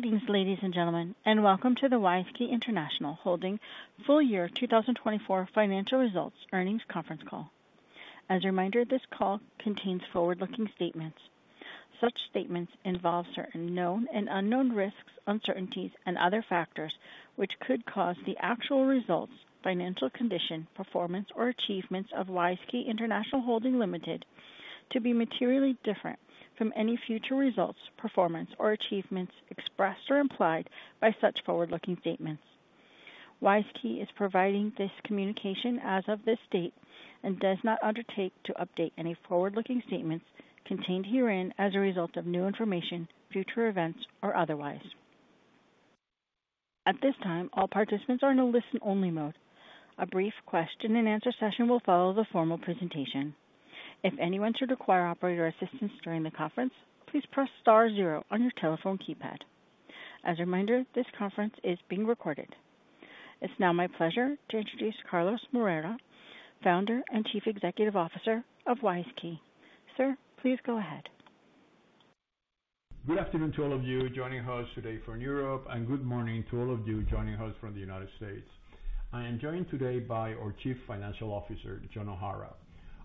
Greetings, ladies and gentlemen, and welcome to the WISeKey International Holding Full Year 2024 Financial Results Earnings Conference Call. As a reminder, this call contains forward-looking statements. Such statements involve certain known and unknown risks, uncertainties, and other factors which could cause the actual results, financial condition, performance, or achievements of WISeKey International Holding Ltd to be materially different from any future results, performance, or achievements expressed or implied by such forward-looking statements. WISeKey is providing this communication as of this date and does not undertake to update any forward-looking statements contained herein as a result of new information, future events, or otherwise. At this time, all participants are in a listen-only mode. A brief question-and-answer session will follow the formal presentation. If anyone should require operator assistance during the conference, please press star zero on your telephone keypad. As a reminder, this conference is being recorded. It's now my pleasure to introduce Carlos Moreira, Founder and Chief Executive Officer of WISeKey. Sir, please go ahead. Good afternoon to all of you joining us today from Europe, and good morning to all of you joining us from the United States. I am joined today by our Chief Financial Officer, John O'Hara.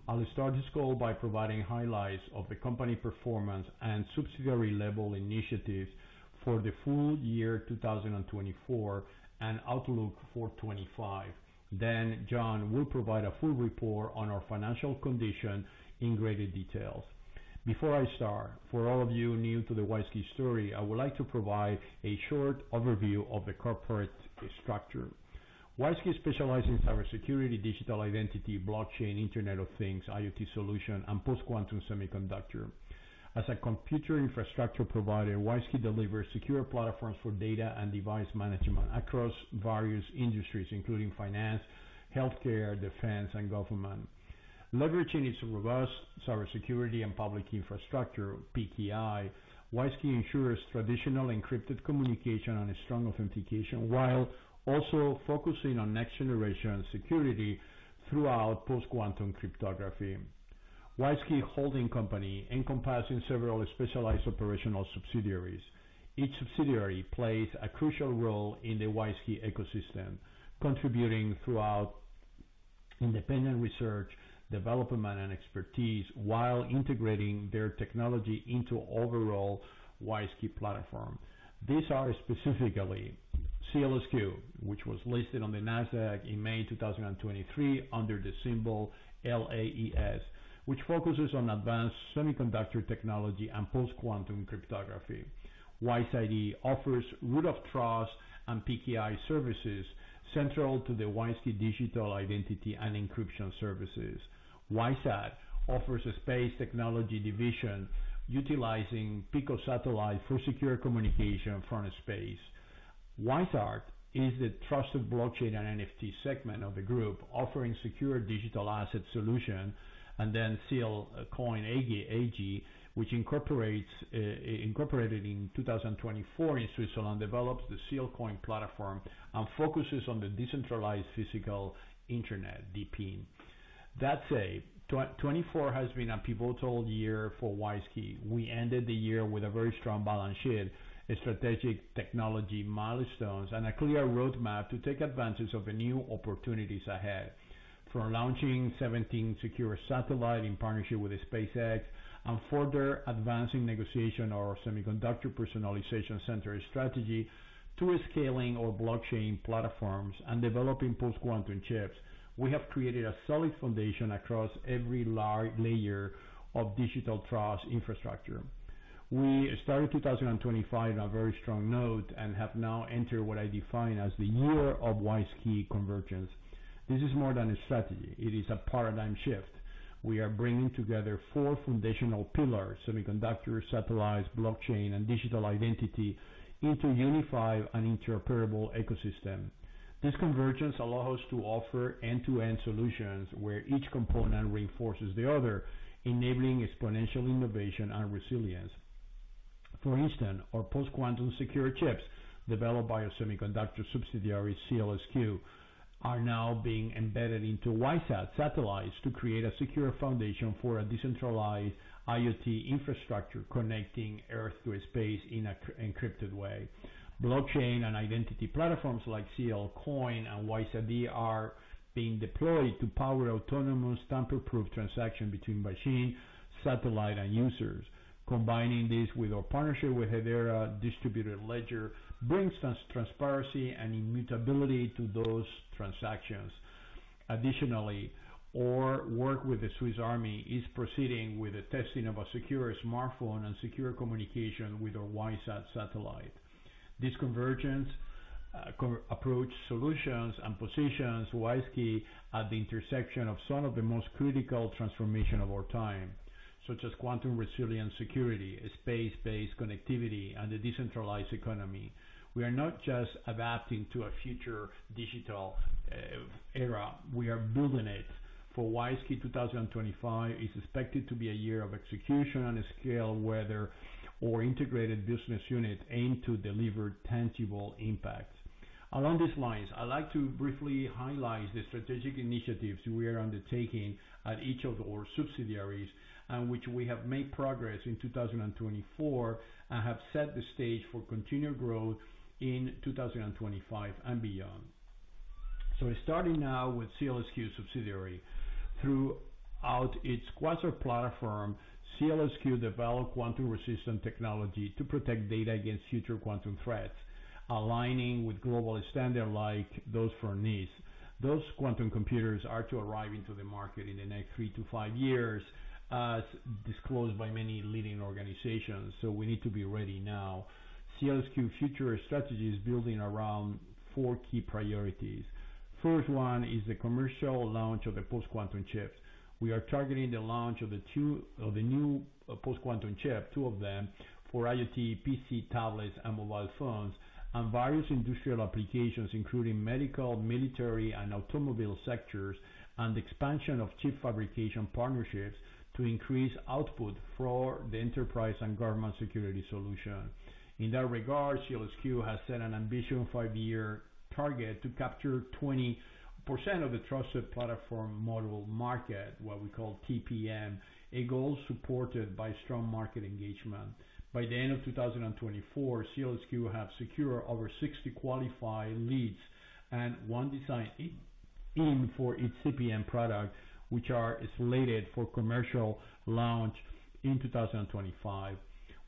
I'll start this call by providing highlights of the company performance and subsidiary-level initiatives for the full year 2024 and outlook for 2025. John will provide a full report on our financial condition in greater detail. Before I start, for all of you new to the WISeKey story, I would like to provide a short overview of the corporate structure. WISeKey specializes in cybersecurity, digital identity, blockchain, Internet of Things, IoT solution, and post-quantum semiconductor. As a computer infrastructure provider, WISeKey delivers secure platforms for data and device management across various industries, including finance, healthcare, defense, and government. Leveraging its robust cybersecurity and public infrastructure, PKI, WISeKey ensures traditional encrypted communication and strong authentication, while also focusing on next-generation security throughout post-quantum cryptography. WISeKey Holding Company encompasses several specialized operational subsidiaries. Each subsidiary plays a crucial role in the WISeKey ecosystem, contributing throughout independent research, development, and expertise, while integrating their technology into the overall WISeKey platform. These are specifically: SEALSQ, which was listed on the NASDAQ in May 2023 under the symbol LAES, which focuses on advanced semiconductor technology and post-quantum cryptography. WISeID offers root of trust and PKI services central to the WISeKey digital identity and encryption services. WISeSat offers a space technology division utilizing PICO satellite for secure communication from space. WISeArt is the trusted blockchain and NFT segment of the group, offering secure digital asset solutions. Sealcoin AG, which incorporated in 2024 in Switzerland, develops the Sealcoin platform and focuses on the decentralized physical internet. That said, 2024 has been a pivotal year for WISeKey. We ended the year with a very strong balance sheet, strategic technology milestones, and a clear roadmap to take advantage of the new opportunities ahead. From launching 17 secure satellites in partnership with SpaceX and further advancing negotiation of our semiconductor personalization center strategy to scaling our blockchain platforms and developing post-quantum chips, we have created a solid foundation across every layer of digital trust infrastructure. We started 2025 on a very strong note and have now entered what I define as the year of WISeKey convergence. This is more than a strategy. It is a paradigm shift. We are bringing together four foundational pillars: semiconductors, satellites, blockchain, and digital identity into a unified and interoperable ecosystem. This convergence allows us to offer end-to-end solutions where each component reinforces the other, enabling exponential innovation and resilience. For instance, our post-quantum secure chips developed by our semiconductor subsidiary, SEALSQ, are now being embedded into WISeSat satellites to create a secure foundation for a decentralized IoT infrastructure connecting Earth to space in an encrypted way. Blockchain and identity platforms like Sealcoin and WISeID are being deployed to power autonomous tamper-proof transactions between machine, satellite, and users. Combining this with our partnership with Hedera distributed ledger brings transparency and immutability to those transactions. Additionally, our work with the Swiss Army is proceeding with the testing of a secure smartphone and secure communication with our WISeSat satellite. This convergence approach solutions and positions WISeKey at the intersection of some of the most critical transformations of our time, such as quantum resilience security, space-based connectivity, and the decentralized economy. We are not just adapting to a future digital era; we are building it. For WISeKey, 2025 is expected to be a year of execution and scale where our integrated business unit aims to deliver tangible impacts. Along these lines, I'd like to briefly highlight the strategic initiatives we are undertaking at each of our subsidiaries and which we have made progress in 2024 and have set the stage for continued growth in 2025 and beyond. Starting now with SEALSQ subsidiary. Throughout its Quasar Platform, SEALSQ develops quantum-resistant technology to protect data against future quantum threats, aligning with global standards like those for NIST. Those quantum computers are to arrive into the market in the next three to five years, as disclosed by many leading organizations. We need to be ready now. SEALSQ's future strategy is built around four key priorities. First one is the commercial launch of the post-quantum chips. We are targeting the launch of the new post-quantum chip, two of them, for IoT, PC, tablets, and mobile phones, and various industrial applications, including medical, military, and automobile sectors, and the expansion of chip fabrication partnerships to increase output for the enterprise and government security solution. In that regard, SEALSQ has set an ambitious five-year target to capture 20% of the trusted platform module market, what we call TPM, a goal supported by strong market engagement. By the end of 2024, SEALSQ has secured over 60 qualified leads and one design in for its TPM product, which are slated for commercial launch in 2025.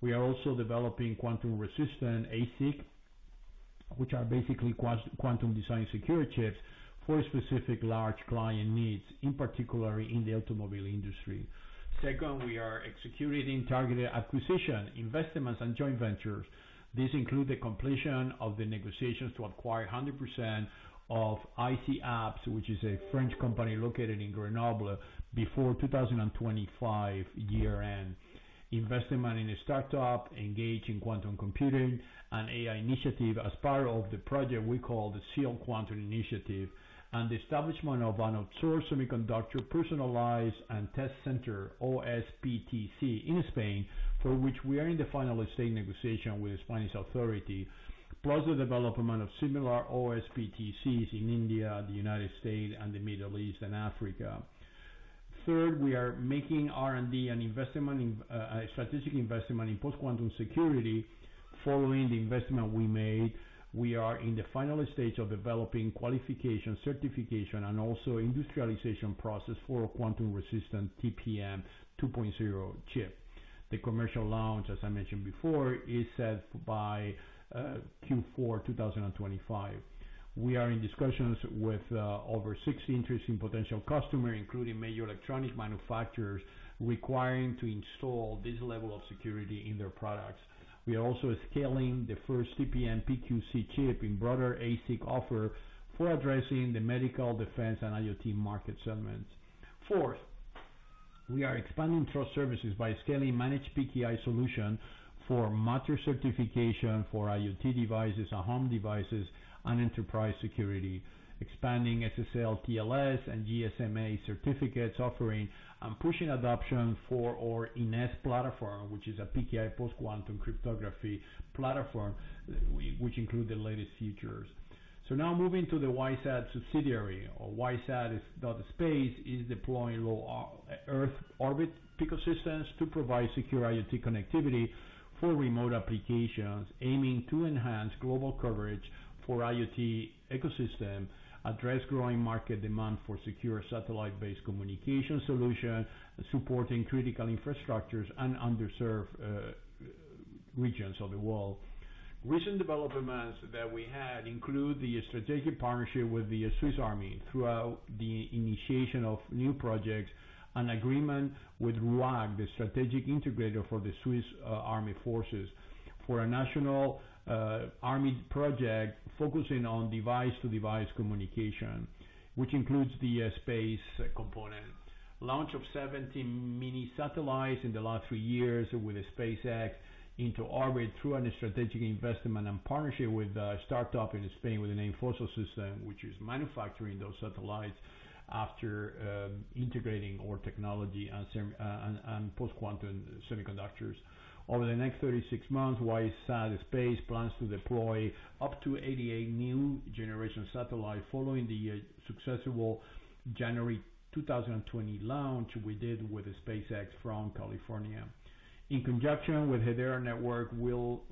We are also developing quantum-resistant ASIC, which are basically quantum-designed secure chips for specific large client needs, in particular in the automobile industry. Second, we are executing targeted acquisition, investments, and joint ventures. This includes the completion of the negotiations to acquire 100% of IC'Alps, which is a French company located in Grenoble, before 2025 year-end. Investment in a startup engaged in quantum computing and AI initiative as part of the project we call the Seal Quantum Initiative, and the establishment of an outsourced semiconductor personalized and test center, OSPTC, in Spain, for which we are in the final estate negotiation with the Spanish authority, plus the development of similar OSPTCs in India, the United States, and the Middle East and Africa. Third, we are making R&D and strategic investment in post-quantum security. Following the investment we made, we are in the final stage of developing qualification, certification, and also industrialization process for quantum-resistant TPM 2.0 chip. The commercial launch, as I mentioned before, is set by Q4 2025. We are in discussions with over 60 interesting potential customers, including major electronics manufacturers, requiring to install this level of security in their products. We are also scaling the first TPM PQC chip in broader ASIC offer for addressing the medical, defense, and IoT market segments. Fourth, we are expanding trust services by scaling managed PKI solutions for matter certification for IoT devices, home devices, and enterprise security, expanding SSL/TLS and GSMA certificates, offering and pushing adoption for our INES platform, which is a PKI post-quantum cryptography platform, which includes the latest features. Now moving to the WISeID subsidiary. WISeID space is deploying low Earth orbit PICO systems to provide secure IoT connectivity for remote applications, aiming to enhance global coverage for IoT ecosystem, address growing market demand for secure satellite-based communication solutions, supporting critical infrastructures and underserved regions of the world. Recent developments that we had include the strategic partnership with the Swiss Army throughout the initiation of new projects and agreement with RUAG, the strategic integrator for the Swiss Army forces, for a national army project focusing on device-to-device communication, which includes the space component. Launch of 17 mini satellites in the last three years with SpaceX into orbit through a strategic investment and partnership with a startup in Spain with the name Fossa Systems, which is manufacturing those satellites after integrating our technology and post-quantum semiconductors. Over the next 36 months, WISeSat space plans to deploy up to 88 new generation satellites following the successful January 2020 launch we did with SpaceX from California. In conjunction with Hedera,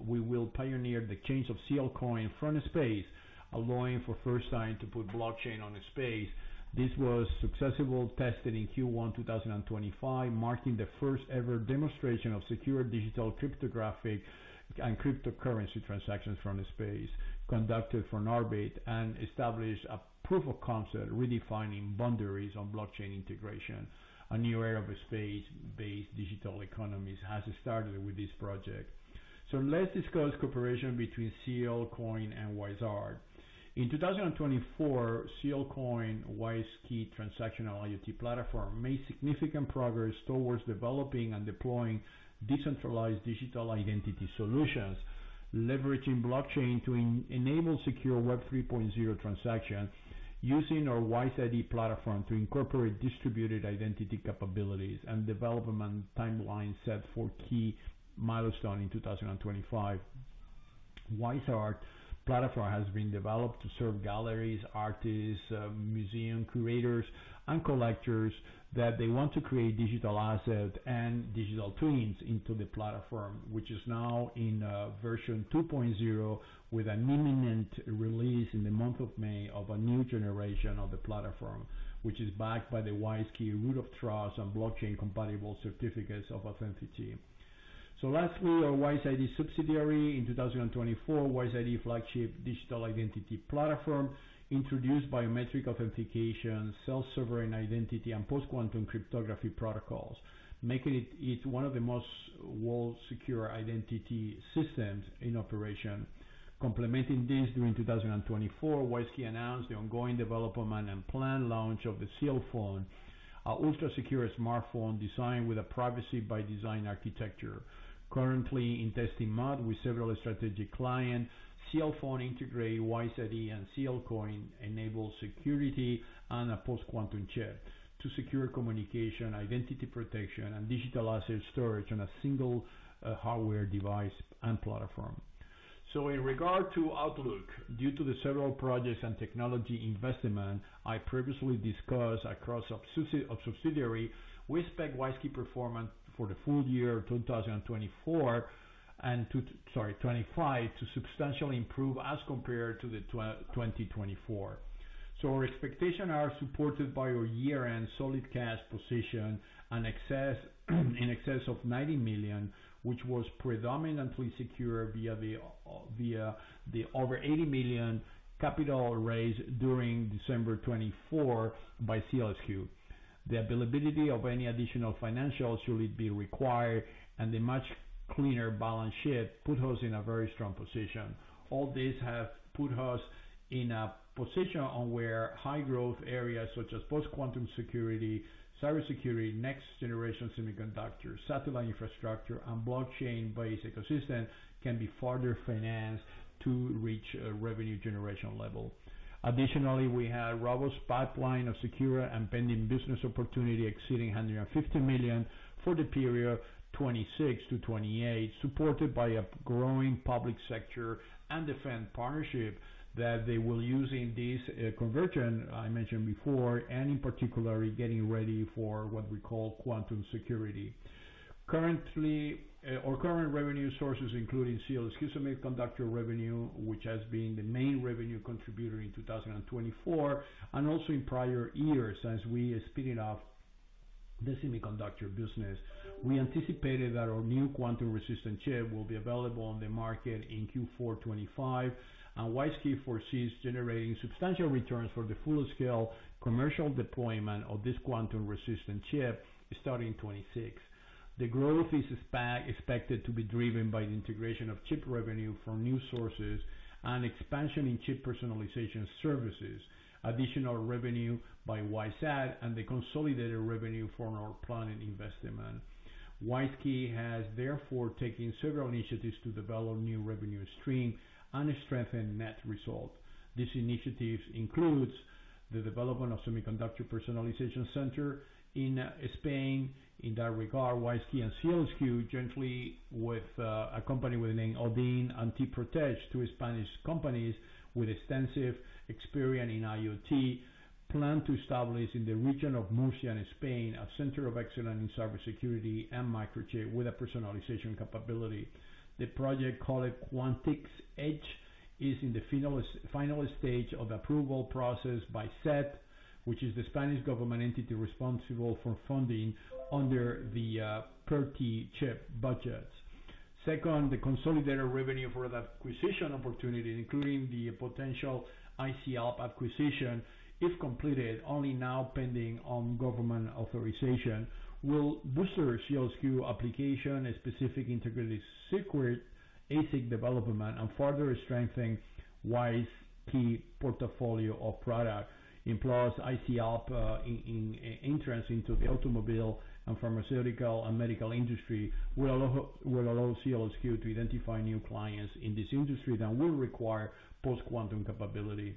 we will pioneer the change of Sealcoin from space, allowing for first time to put blockchain on space. This was successfully tested in Q1 2025, marking the first-ever demonstration of secure digital cryptographic and cryptocurrency transactions from space conducted from orbit and established a proof of concept redefining boundaries on blockchain integration. A new era of space-based digital economies has started with this project. Let's discuss cooperation between Sealcoin and WISeArt. In 2024, Sealcoin WISeKey transactional IoT platform made significant progress towards developing and deploying decentralized digital identity solutions, leveraging blockchain to enable secure Web 3.0 transactions using our WISeID platform to incorporate distributed identity capabilities and development timeline set for key milestones in 2025. WISeArt platform has been developed to serve galleries, artists, museum curators, and collectors that want to create digital assets and digital twins into the platform, which is now in version 2.0 with an imminent release in the month of May of a new generation of the platform, which is backed by the WISeKey root of trust and blockchain-compatible certificates of authenticity. Lastly, our WISeID subsidiary in 2024, WISeID flagship digital identity platform, introduced biometric authentication, self-sovereign identity, and post-quantum cryptography protocols, making it one of the most well-secured identity systems in operation. Complementing this, during 2024, WISeKey announced the ongoing development and planned launch of the Sealphone, an ultra-secure smartphone designed with a privacy-by-design architecture. Currently in testing mode with several strategic clients, Sealphone integrates WISeID and Sealcoin, enables security and a post-quantum chip to secure communication, identity protection, and digital asset storage on a single hardware device and platform. In regard to outlook, due to the several projects and technology investments I previously discussed across our subsidiary, we expect WISeKey performance for the full year 2024 and 2025 to substantially improve as compared to 2024. Our expectations are supported by our year-end solid cash position in excess of 90 million, which was predominantly secured via the over 80 million capital raised during December 2024 by SEALSQ. The availability of any additional financials should be required, and the much cleaner balance sheet puts us in a very strong position. All this has put us in a position where high-growth areas such as post-quantum security, cybersecurity, next-generation semiconductors, satellite infrastructure, and blockchain-based ecosystems can be further financed to reach a revenue generation level. Additionally, we have a robust pipeline of secure and pending business opportunities exceeding 150 million for the period 2026 to 2028, supported by a growing public sector and defense partnership that they will use in this convergence I mentioned before, and in particular, getting ready for what we call quantum security. Currently, our current revenue sources include SEALSQ semiconductor revenue, which has been the main revenue contributor in 2024 and also in prior years as we spin off the semiconductor business. We anticipated that our new quantum-resistant chip will be available on the market in Q4 2025, and WISeKey foresees generating substantial returns for the full-scale commercial deployment of this quantum-resistant chip starting 2026. The growth is expected to be driven by the integration of chip revenue from new sources and expansion in chip personalization services, additional revenue by WISeID, and the consolidated revenue from our planned investment. WISeKey has therefore taken several initiatives to develop new revenue streams and strengthen net results. This initiative includes the development of a semiconductor personalization center in Spain. In that regard, WISeKey and SEALSQ, jointly accompanied with the name Odin and T-Protege, two Spanish companies with extensive experience in IoT, plan to establish in the region of Murcia, in Spain, a center of excellence in cybersecurity and microchip with a personalization capability. The project called Quantix EdgeS is in the final stage of the approval process by SET, which is the Spanish government entity responsible for funding under the PERTE chip budgets. Second, the consolidated revenue for that acquisition opportunity, including the potential IC'Alps acquisition, if completed, only now pending government authorization, will boost the SEALSQ application, specific integrated secret ASIC development, and further strengthen WISeKey's portfolio of products. In plus, IC'Alps' entrance into the automobile and pharmaceutical and medical industry will allow SEALSQ to identify new clients in this industry that will require post-quantum capability.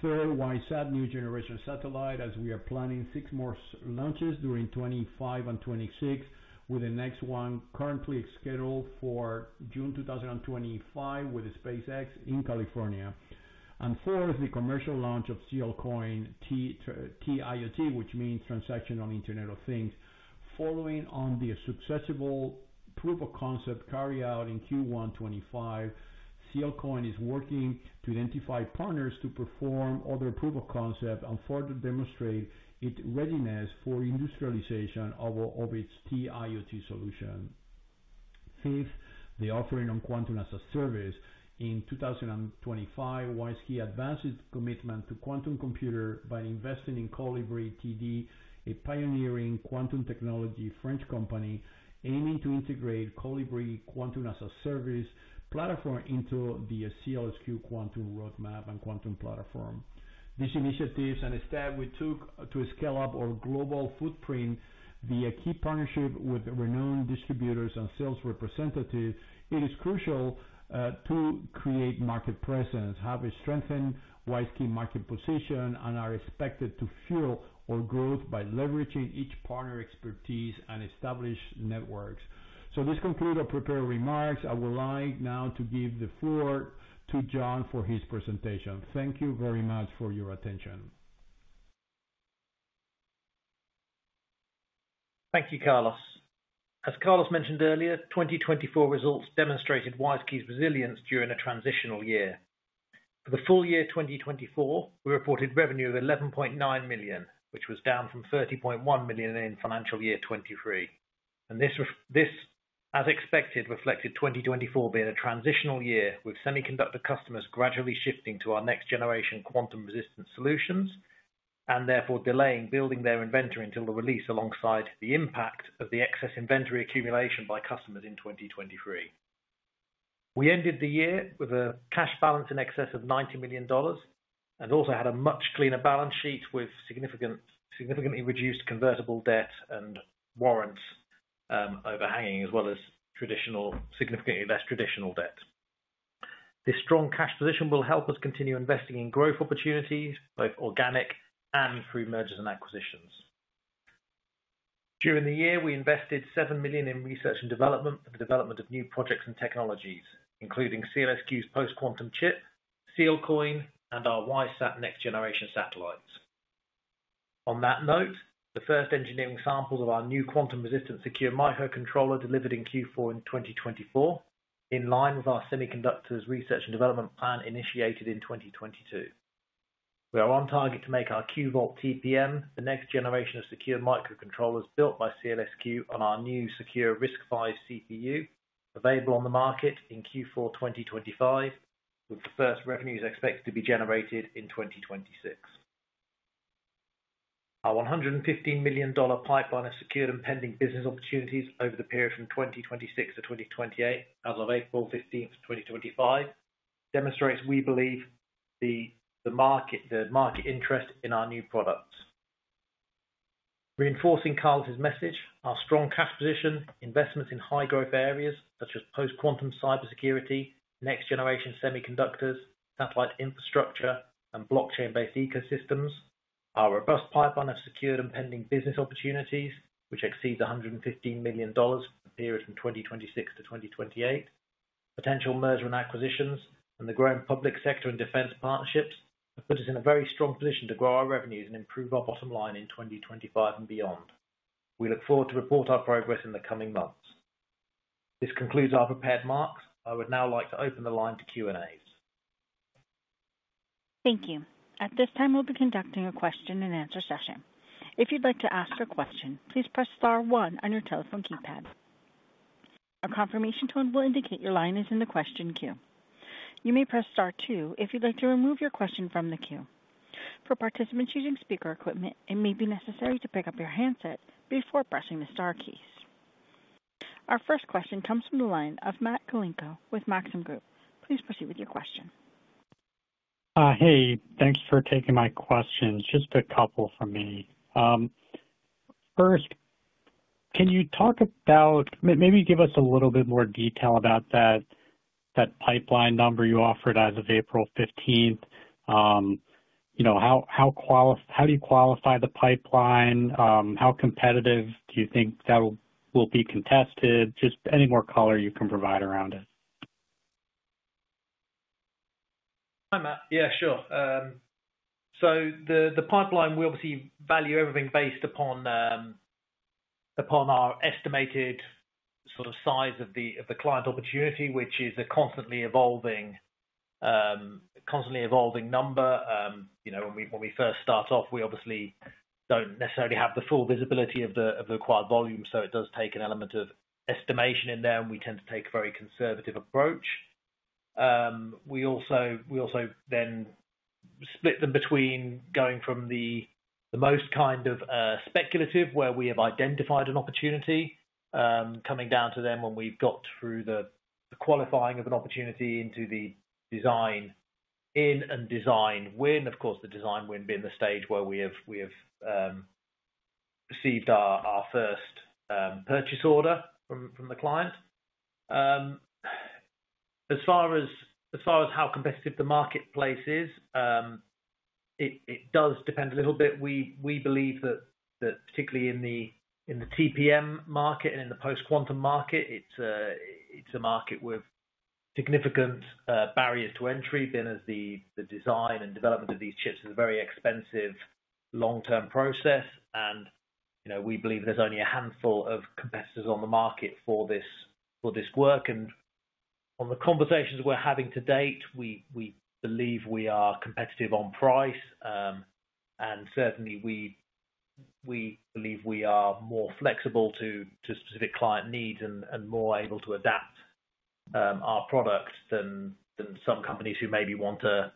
Third, WISeSat's new generation satellite, as we are planning six more launches during 2025 and 2026, with the next one currently scheduled for June 2025 with SpaceX in California. Fourth, the commercial launch of SEALCOIN TIOT, which means transactional Internet of Things. Following on the successful proof of concept carryout in Q1 2025, Sealcoin is working to identify partners to perform other proof of concept and further demonstrate its readiness for industrialization of its TIoT solution. Fifth, the offering of Quantum as a Service. In 2025, WISeKey advances its commitment to quantum computers by investing in ColibriTD, a pioneering quantum technology French company aiming to integrate Colibri Quantum as a Service platform into the CLSQ quantum roadmap and quantum platform. These initiatives and steps we took to scale up our global footprint via key partnerships with renowned distributors and sales representatives, it is crucial to create market presence, have a strengthened WISeKey market position, and are expected to fuel our growth by leveraging each partner's expertise and established networks. This concludes our prepared remarks. I would like now to give the floor to John for his presentation. Thank you very much for your attention. Thank you, Carlos. As Carlos mentioned earlier, 2024 results demonstrated WISeKey's resilience during a transitional year. For the full year 2024, we reported revenue of 11.9 million, which was down from 30.1 million in financial year 2023. This, as expected, reflected 2024 being a transitional year with semiconductor customers gradually shifting to our next-generation quantum-resistant solutions and therefore delaying building their inventory until the release alongside the impact of the excess inventory accumulation by customers in 2023. We ended the year with a cash balance in excess of CHF 90 million and also had a much cleaner balance sheet with significantly reduced convertible debt and warrants overhanging, as well as significantly less traditional debt. This strong cash position will help us continue investing in growth opportunities, both organic and through mergers and acquisitions. During the year, we invested 7 million in research and development for the development of new projects and technologies, including SEALSQ's post-quantum chip, Sealcoin, and our WISeSat next-generation satellites. On that note, the first engineering samples of our new quantum-resistant secure microcontroller delivered in Q4 in 2024, in line with our semiconductors research and development plan initiated in 2022. We are on target to make our Qvault TPM, the next generation of secure microcontrollers built by SEALSQ, on our new secure RISC-V CPU available on the market in Q4 2025, with the first revenues expected to be generated in 2026. Our CHF 115 million pipeline of secured and pending business opportunities over the period from 2026 to 2028, as of April 15, 2025, demonstrates we believe the market interest in our new products. Reinforcing Carlos's message, our strong cash position, investments in high-growth areas such as post-quantum cybersecurity, next-generation semiconductors, satellite infrastructure, and blockchain-based ecosystems, our robust pipeline of secured and pending business opportunities, which exceeds CHF 115 million for the period from 2026 to 2028, potential mergers and acquisitions, and the growing public sector and defense partnerships have put us in a very strong position to grow our revenues and improve our bottom line in 2025 and beyond. We look forward to reporting our progress in the coming months. This concludes our prepared marks. I would now like to open the line to Q&As. Thank you. At this time, we'll be conducting a question-and-answer session. If you'd like to ask a question, please press star one on your telephone keypad. A confirmation tone will indicate your line is in the question queue. You may press star two if you'd like to remove your question from the queue. For participants using speaker equipment, it may be necessary to pick up your handset before pressing the star keys. Our first question comes from the line of Matt Galinko with Maxim Group. Please proceed with your question. Hey, thanks for taking my questions. Just a couple for me. First, can you talk about, maybe give us a little bit more detail about that pipeline number you offered as of April 15th? How do you qualify the pipeline? How competitive do you think that will be contested? Just any more color you can provide around it. Hi, Matt. Yeah, sure. The pipeline, we obviously value everything based upon our estimated sort of size of the client opportunity, which is a constantly evolving number. When we first start off, we obviously do not necessarily have the full visibility of the required volume, so it does take an element of estimation in there, and we tend to take a very conservative approach. We also then split them between going from the most kind of speculative, where we have identified an opportunity, coming down to when we have got through the qualifying of an opportunity into the design in and design win. Of course, the design win being the stage where we have received our first purchase order from the client. As far as how competitive the marketplace is, it does depend a little bit. We believe that particularly in the TPM market and in the post-quantum market, it's a market with significant barriers to entry, being as the design and development of these chips is a very expensive long-term process, and we believe there's only a handful of competitors on the market for this work. On the conversations we're having to date, we believe we are competitive on price, and certainly we believe we are more flexible to specific client needs and more able to adapt our product than some companies who maybe want to,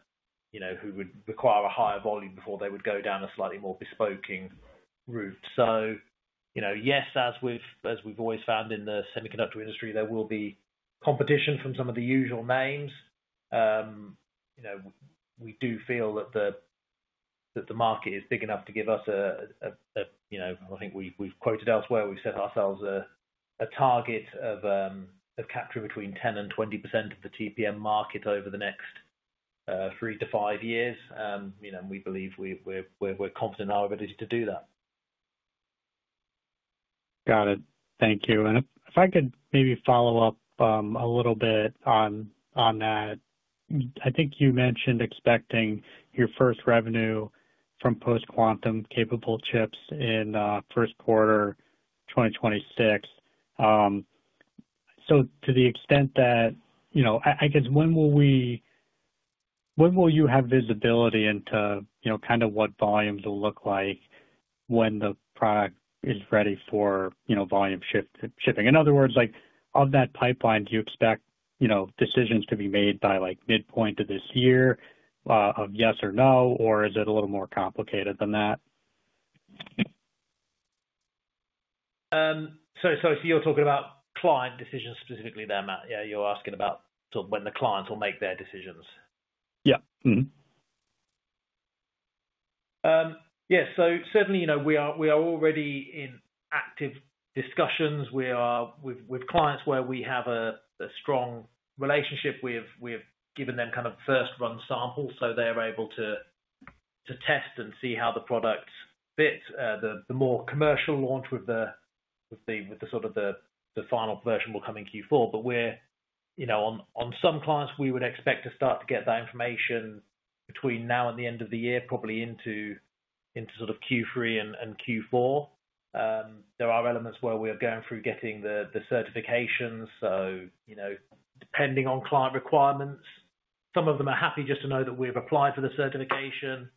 who would require a higher volume before they would go down a slightly more bespoking route. Yes, as we've always found in the semiconductor industry, there will be competition from some of the usual names. We do feel that the market is big enough to give us a, I think we've quoted elsewhere, we've set ourselves a target of capturing between 10%-20% of the TPM market over the next three to five years, and we believe we're confident in our ability to do that. Got it. Thank you. If I could maybe follow up a little bit on that, I think you mentioned expecting your first revenue from post-quantum capable chips in first quarter 2026. To the extent that, I guess, when will you have visibility into kind of what volumes will look like when the product is ready for volume shipping? In other words, of that pipeline, do you expect decisions to be made by midpoint of this year of yes or no, or is it a little more complicated than that? You're talking about client decisions specifically there, Matt? Yeah, you're asking about sort of when the clients will make their decisions? Yeah. Yeah. Certainly, we are already in active discussions with clients where we have a strong relationship. We have given them kind of first-run samples so they're able to test and see how the product fits. The more commercial launch with the sort of the final version will come in Q4. On some clients, we would expect to start to get that information between now and the end of the year, probably into sort of Q3 and Q4. There are elements where we are going through getting the certifications. Depending on client requirements, some of them are happy just to know that we've applied for the certification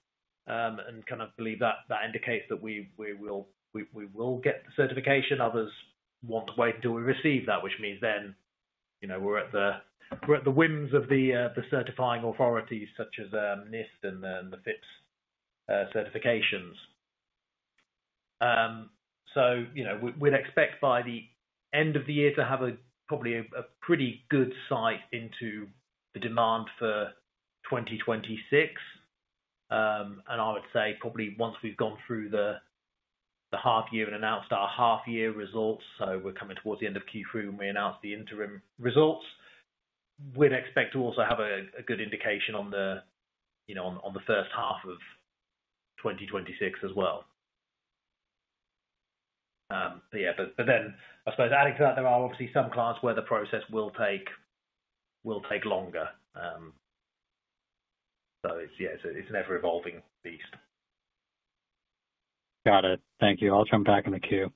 and kind of believe that that indicates that we will get the certification. Others want to wait until we receive that, which means then we're at the whims of the certifying authorities such as NIST and the FIPS certifications. We'd expect by the end of the year to have probably a pretty good sight into the demand for 2026. I would say probably once we've gone through the half year and announced our half year results, so we're coming towards the end of Q3 when we announce the interim results, we'd expect to also have a good indication on the first half of 2026 as well. I suppose adding to that, there are obviously some clients where the process will take longer. It's an ever-evolving beast. Got it. Thank you. I'll jump back in the queue.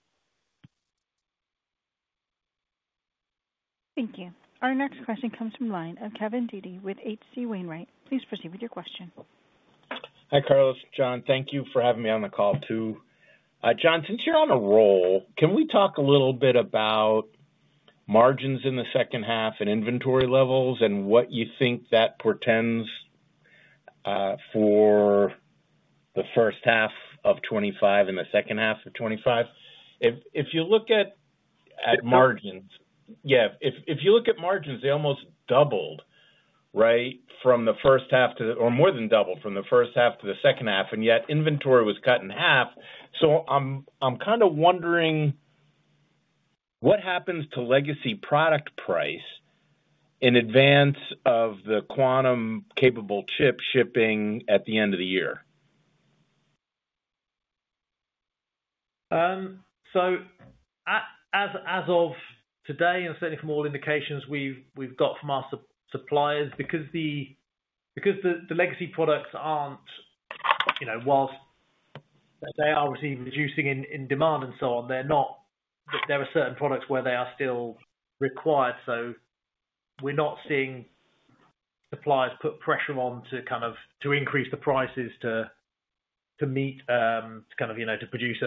Thank you. Our next question comes from Kevin Dede with HC Wainwright. Please proceed with your question. Hi, Carlos. John, thank you for having me on the call too. John, since you're on a roll, can we talk a little bit about margins in the second half and inventory levels and what you think that portends for the first half of 2025 and the second half of 2025? If you look at margins, yeah, if you look at margins, they almost doubled, right, from the first half to the, or more than doubled from the first half to the second half, and yet inventory was cut in half. I am kind of wondering what happens to legacy product price in advance of the quantum-capable chip shipping at the end of the year? As of today, and certainly from all indications we've got from our suppliers, because the legacy products aren't, whilst they are reducing in demand and so on, there are certain products where they are still required. We are not seeing suppliers put pressure on to kind of increase the prices to meet, to kind of produce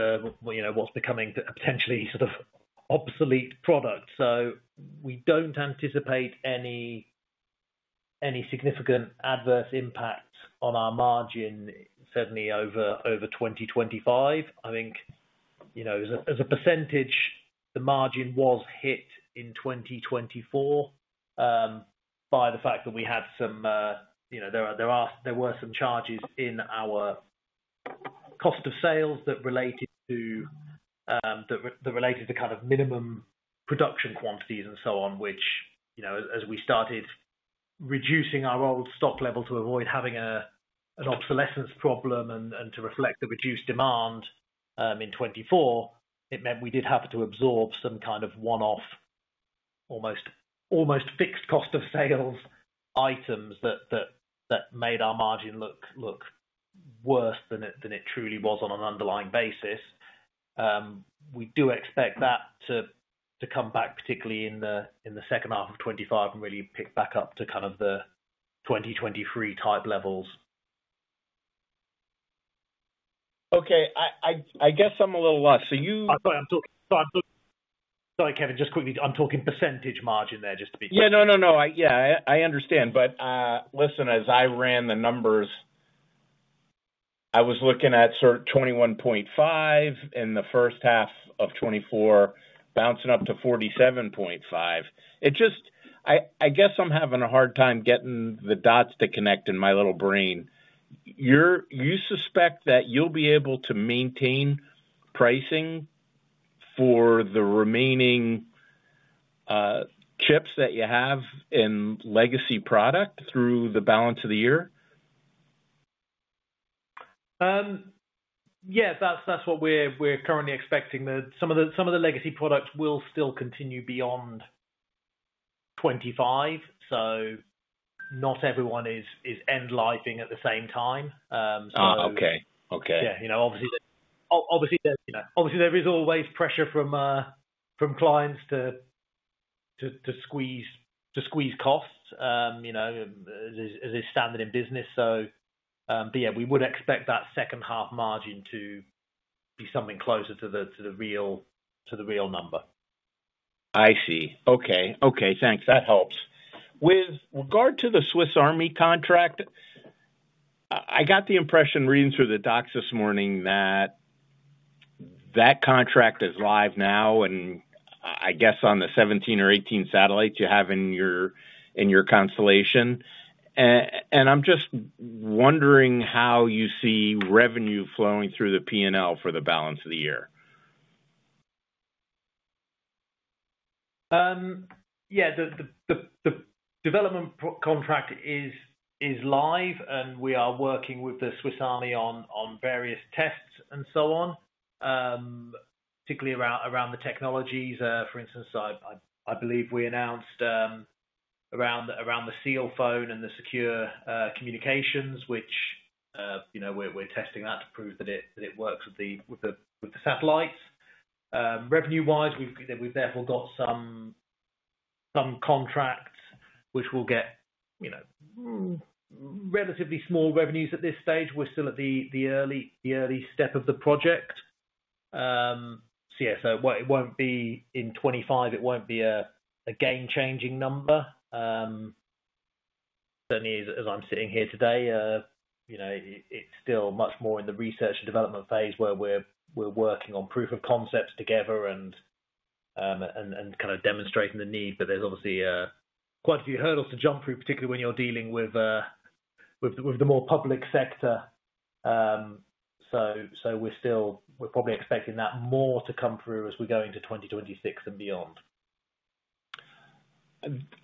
what's becoming potentially sort of obsolete products. We do not anticipate any significant adverse impact on our margin, certainly over 2025. I think as a percentage, the margin was hit in 2024 by the fact that we had some, there were some charges in our cost of sales that related to the kind of minimum production quantities and so on, which as we started reducing our old stock level to avoid having an obsolescence problem and to reflect the reduced demand in 2024, it meant we did have to absorb some kind of one-off, almost fixed cost of sales items that made our margin look worse than it truly was on an underlying basis. We do expect that to come back, particularly in the second half of 2025, and really pick back up to kind of the 2023 type levels. Okay. I guess I'm a little lost. So you. Sorry, Kevin, just quickly, I'm talking percentage margin there just to be clear. Yeah, no, no, no. Yeah, I understand. Listen, as I ran the numbers, I was looking at sort of 21.5 million in the first half of 2024, bouncing up to 47.5 million. I guess I'm having a hard time getting the dots to connect in my little brain. You suspect that you'll be able to maintain pricing for the remaining chips that you have in legacy product through the balance of the year? Yeah, that's what we're currently expecting. Some of the legacy products will still continue beyond 2025. Not everyone is end-lifing at the same time. Oh, okay. Okay. Yeah. Obviously, there is always pressure from clients to squeeze costs as is standard in business. Yeah, we would expect that second half margin to be something closer to the real number. I see. Okay. Okay. Thanks. That helps. With regard to the Swiss Army contract, I got the impression reading through the docs this morning that that contract is live now, and I guess on the 17 or 18 satellites you have in your constellation. I am just wondering how you see revenue flowing through the P&L for the balance of the year. Yeah. The development contract is live, and we are working with the Swiss Army on various tests and so on, particularly around the technologies. For instance, I believe we announced around the Sealphone and the secure communications, which we're testing that to prove that it works with the satellites. Revenue-wise, we've therefore got some contracts which will get relatively small revenues at this stage. We're still at the early step of the project. Yeah, it won't be in 2025, it won't be a game-changing number. Certainly, as I'm sitting here today, it's still much more in the research and development phase where we're working on proof of concepts together and kind of demonstrating the need. There's obviously quite a few hurdles to jump through, particularly when you're dealing with the more public sector. We're probably expecting that more to come through as we go into 2026 and beyond.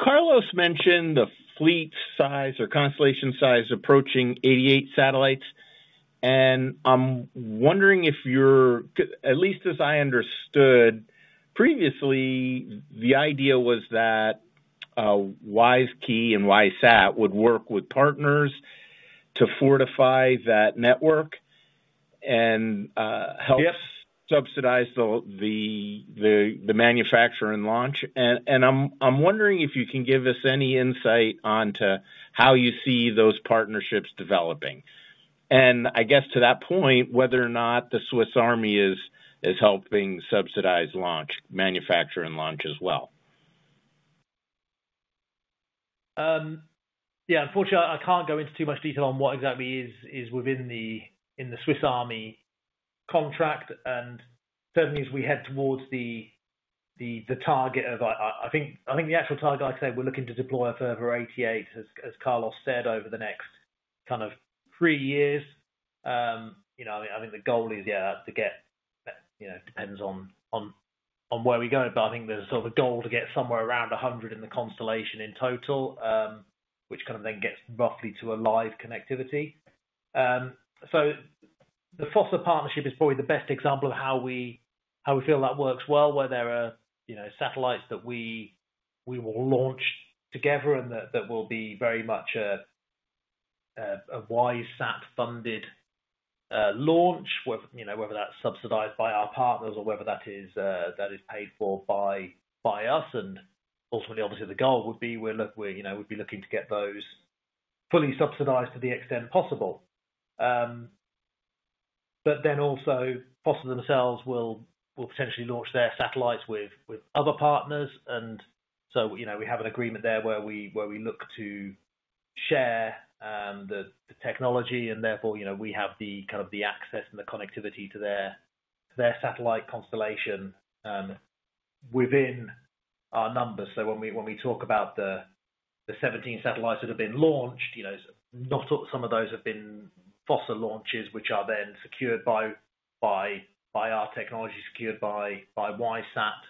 Carlos mentioned the fleet size or constellation size approaching 88 satellites. I'm wondering if you're, at least as I understood previously, the idea was that WISeKey and WISeSat would work with partners to fortify that network and help subsidize the manufacturer and launch. I'm wondering if you can give us any insight onto how you see those partnerships developing. I guess to that point, whether or not the Swiss Army is helping subsidize launch, manufacturer and launch as well. Yeah. Unfortunately, I can't go into too much detail on what exactly is within the Swiss Army contract. Certainly, as we head towards the target of, I think the actual target, like I say, we're looking to deploy a further 88, as Carlos said, over the next kind of three years. I think the goal is, yeah, to get, depends on where we go. I think there's sort of a goal to get somewhere around 100 in the constellation in total, which kind of then gets roughly to a live connectivity. The Fossa partnership is probably the best example of how we feel that works well, where there are satellites that we will launch together and that will be very much a WISeSat-funded launch, whether that's subsidized by our partners or whether that is paid for by us. Ultimately, obviously, the goal would be we'd be looking to get those fully subsidized to the extent possible. Also, Fossa Systems themselves will potentially launch their satellites with other partners. We have an agreement there where we look to share the technology, and therefore we have kind of the access and the connectivity to their satellite constellation within our numbers. When we talk about the 17 satellites that have been launched, some of those have been Fossa Systems launches, which are then secured by our technology, secured by WISeSat,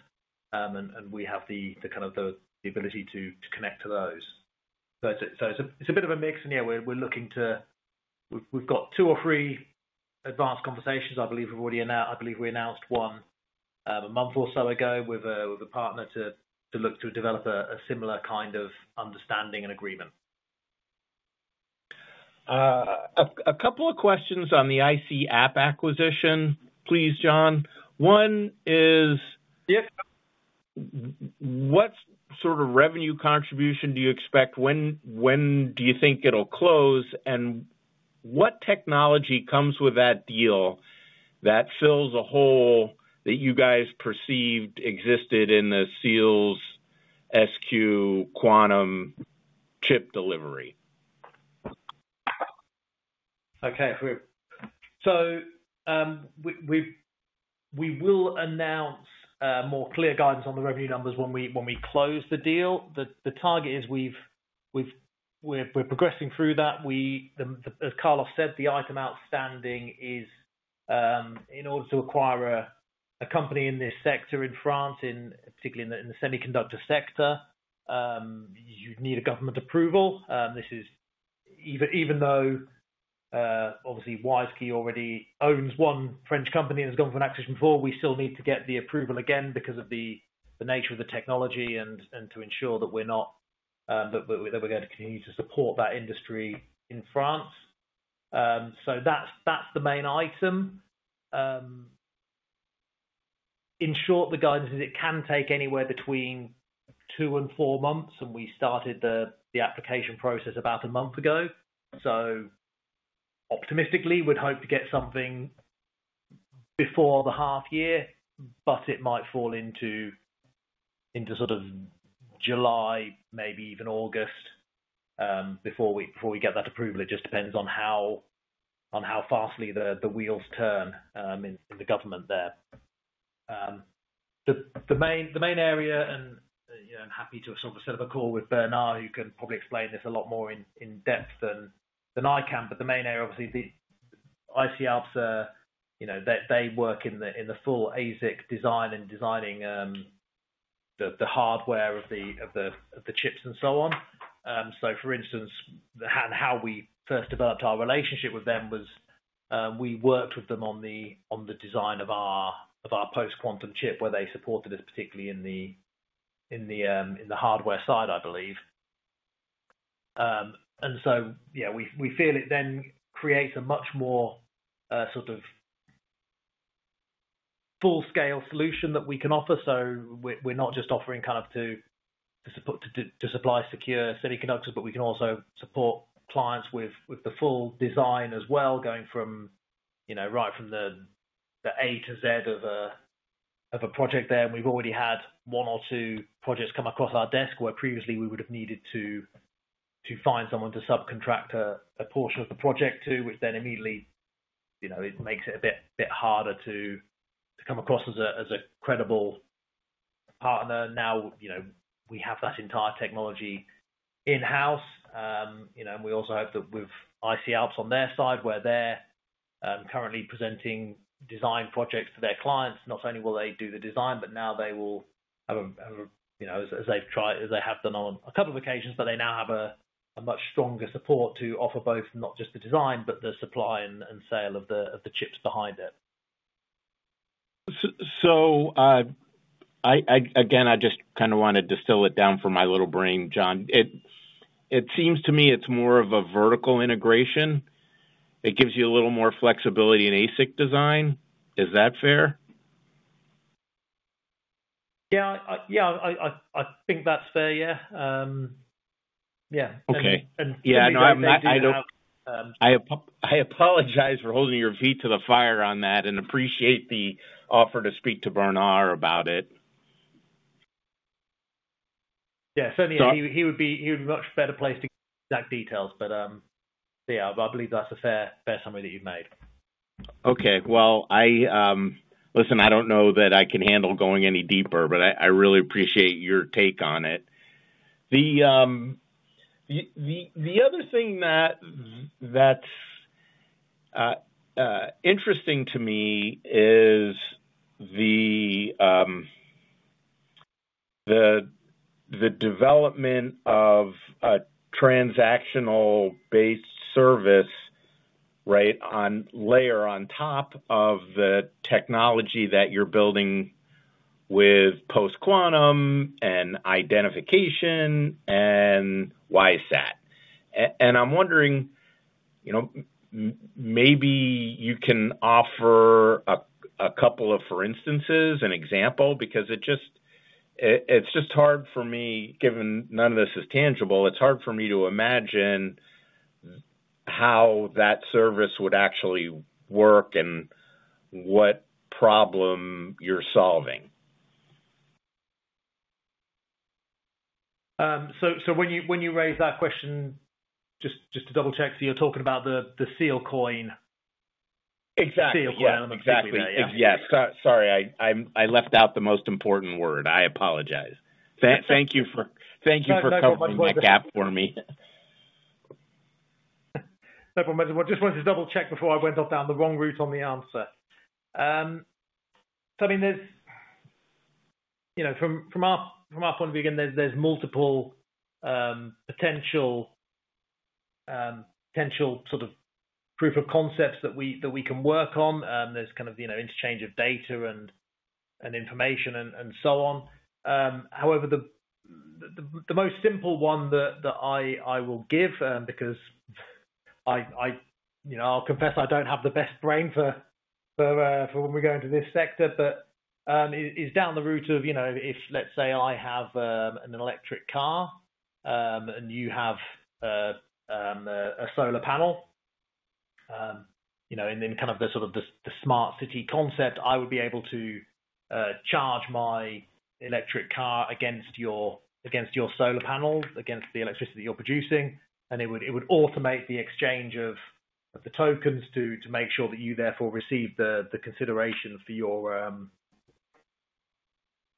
and we have kind of the ability to connect to those. It is a bit of a mix. Yeah, we're looking to, we've got two or three advanced conversations. I believe we've already announced, I believe we announced one a month or so ago with a partner to look to develop a similar kind of understanding and agreement. A couple of questions on the IC'Alps acquisition, please, John. One is, what sort of revenue contribution do you expect? When do you think it'll close? What technology comes with that deal that fills a hole that you guys perceived existed in the SEALSQ Quantum chip delivery? Okay. We will announce more clear guidance on the revenue numbers when we close the deal. The target is we're progressing through that. As Carlos said, the item outstanding is in order to acquire a company in this sector in France, particularly in the semiconductor sector, you need a government approval. Even though obviously WISeKey already owns one French company and has gone for an acquisition before, we still need to get the approval again because of the nature of the technology and to ensure that we're not, that we're going to continue to support that industry in France. That's the main item. In short, the guidance is it can take anywhere between two and four months, and we started the application process about a month ago. Optimistically, we'd hope to get something before the half year, but it might fall into sort of July, maybe even August before we get that approval. It just depends on how fast the wheels turn in the government there. The main area, and I'm happy to sort of set up a call with Bernard, who can probably explain this a lot more in depth than I can, but the main area, obviously, IC'Alps, they work in the full ASIC design and designing the hardware of the chips and so on. For instance, how we first developed our relationship with them was we worked with them on the design of our post-quantum chip, where they supported us particularly in the hardware side, I believe. Yeah, we feel it then creates a much more sort of full-scale solution that we can offer. We're not just offering kind of to supply secure semiconductors, but we can also support clients with the full design as well, going right from the A to Z of a project there. We've already had one or two projects come across our desk where previously we would have needed to find someone to subcontract a portion of the project to, which then immediately makes it a bit harder to come across as a credible partner. Now we have that entire technology in-house. We also hope that with IC'Alps on their side, where they're currently presenting design projects to their clients, not only will they do the design, but now they will have a, as they've tried, as they have done on a couple of occasions, but they now have a much stronger support to offer both not just the design, but the supply and sale of the chips behind it. I just kind of want to distill it down for my little brain, John. It seems to me it's more of a vertical integration. It gives you a little more flexibility in ASIC design. Is that fair? Yeah. I think that's fair. Yeah. Okay. Yeah. No, I apologize for holding your feet to the fire on that and appreciate the offer to speak to Bernard about it. Yeah. Certainly, he would be a much better place to get exact details. Yeah, I believe that's a fair summary that you've made. Okay. Listen, I do not know that I can handle going any deeper, but I really appreciate your take on it. The other thing that is interesting to me is the development of a transactional-based service, right, layer on top of the technology that you are building with post-quantum and identification and WISeSat. I am wondering, maybe you can offer a couple of, for instances, an example, because it is just hard for me, given none of this is tangible, it is hard for me to imagine how that service would actually work and what problem you are solving. When you raise that question, just to double-check, you're talking about the Sealcoin? Exactly. Yeah. Exactly. Yeah. Sorry. I left out the most important word. I apologize. Thank you for covering the gap for me. No problem. I just wanted to double-check before I went off down the wrong route on the answer. I mean, from our point of view, again, there's multiple potential sort of proof of concepts that we can work on. There's kind of interchange of data and information and so on. However, the most simple one that I will give, because I'll confess I don't have the best brain for when we go into this sector, is down the route of if, let's say, I have an electric car and you have a solar panel in kind of the sort of the smart city concept, I would be able to charge my electric car against your solar panels, against the electricity that you're producing, and it would automate the exchange of the tokens to make sure that you therefore receive the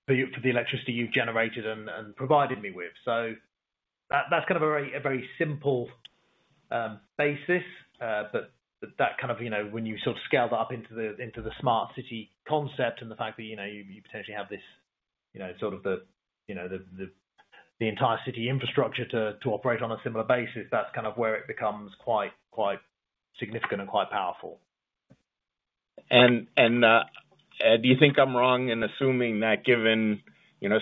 consideration for the electricity you've generated and provided me with. That's kind of a very simple basis. When you sort of scale that up into the smart city concept and the fact that you potentially have this sort of the entire city infrastructure to operate on a similar basis, that's kind of where it becomes quite significant and quite powerful. Do you think I'm wrong in assuming that given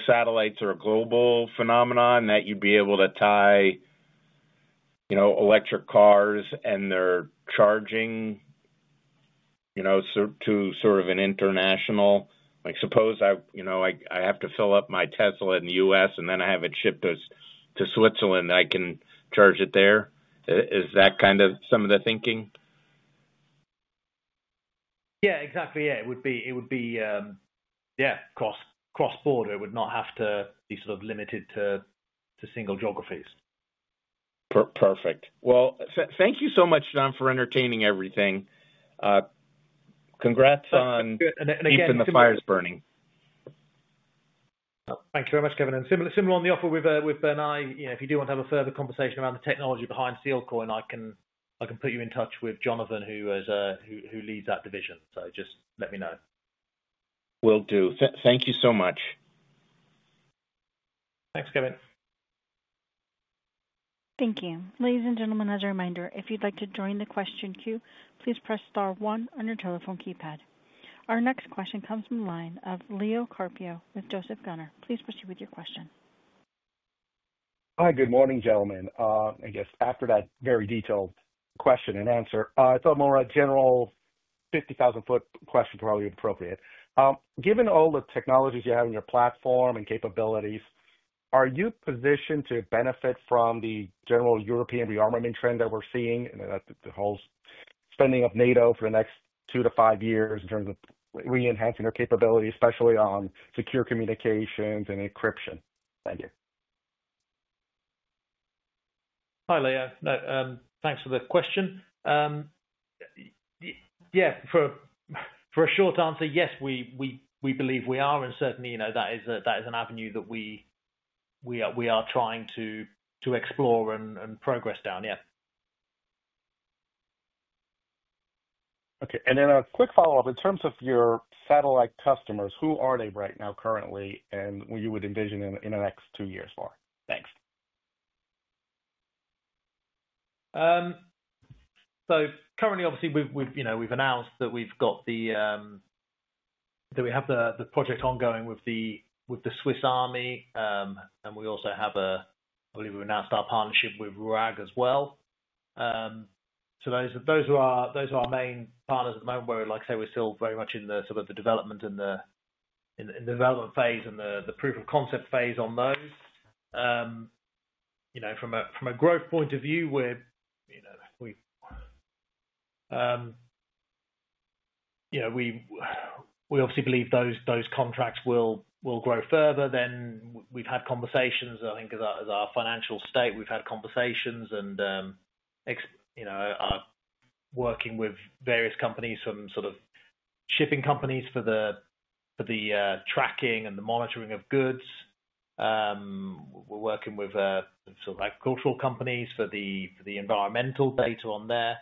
satellites are a global phenomenon, that you'd be able to tie electric cars and their charging to sort of an international? Suppose I have to fill up my Tesla in the U.S. and then I have it shipped to Switzerland, I can charge it there. Is that kind of some of the thinking? Yeah. Exactly. Yeah. It would be, yeah, cross-border. It would not have to be sort of limited to single geographies. Perfect. Thank you so much, John, for entertaining everything. Congrats on keeping the fires burning. Thank you very much, Kevin. Similar on the offer with Bernard, if you do want to have a further conversation around the technology behind Sealcoin, I can put you in touch with Jonathan, who leads that division. Just let me know. Will do. Thank you so much. Thanks, Kevin. Thank you. Ladies and gentlemen, as a reminder, if you'd like to join the question queue, please press star one on your telephone keypad. Our next question comes from the line of Leo Carpio with Joseph Gunnar. Please proceed with your question. Hi. Good morning, gentlemen. I guess after that very detailed question and answer, I thought more a general 50,000 ft question probably would be appropriate. Given all the technologies you have in your platform and capabilities, are you positioned to benefit from the general European rearmament trend that we're seeing and the whole spending of NATO for the next two to five years in terms of re-enhancing their capability, especially on secure communications and encryption? Thank you. Hi, Leo. Thanks for the question. Yeah. For a short answer, yes, we believe we are. Certainly, that is an avenue that we are trying to explore and progress down. Yeah. Okay. A quick follow-up. In terms of your satellite customers, who are they right now currently and what you would envision in the next two years for? Thanks. Currently, obviously, we've announced that we have the project ongoing with the Swiss Army. We also have, I believe, we've announced our partnership with RUAG as well. Those are our main partners at the moment where, like I say, we're still very much in the development and the proof of concept phase on those. From a growth point of view, we obviously believe those contracts will grow further. We've had conversations, I think, as our financial state, we've had conversations and are working with various companies from shipping companies for the tracking and the monitoring of goods. We're working with agricultural companies for the environmental data on there.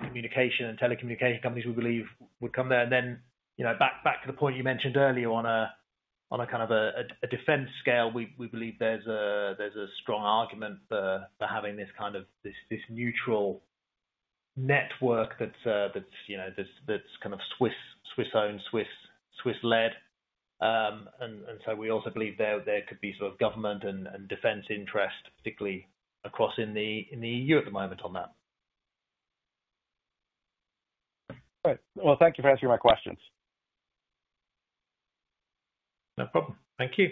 Communication and telecommunication companies, we believe, would come there. Back to the point you mentioned earlier on a kind of a defense scale, we believe there's a strong argument for having this kind of neutral network that's kind of Swiss-owned, Swiss-led. We also believe there could be sort of government and defense interests, particularly across in the EU at the moment on that. All right. Thank you for answering my questions. No problem. Thank you.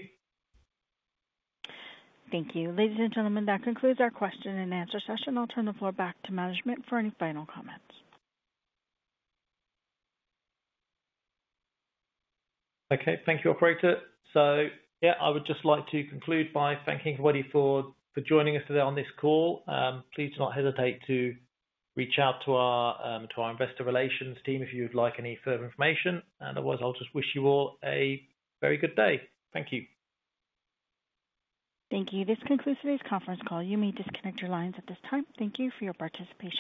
Thank you. Ladies and gentlemen, that concludes our question-and-answer session. I'll turn the floor back to management for any final comments. Thank you, Operator. Yeah, I would just like to conclude by thanking everybody for joining us today on this call. Please do not hesitate to reach out to our investor relations team if you'd like any further information. Otherwise, I'll just wish you all a very good day. Thank you. Thank you. This concludes today's conference call. You may disconnect your lines at this time. Thank you for your participation.